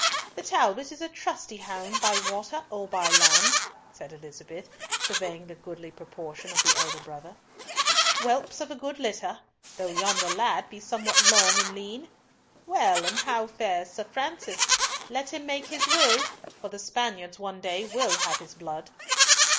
"The Talbot is a trusty hound by water or by land," said Elizabeth, surveying the goodly proportion of the elder brother. "Whelps of a good litter, though yonder lad be somewhat long and lean. Well, and how fares Sir Francis? Let him make his will, for the Spaniards one day will have his blood."